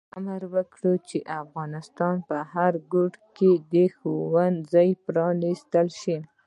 پاچا امر وکړ چې د افغانستان په هر ګوټ کې د ښوونځي پرانستل شي.